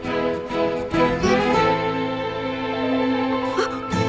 あっ！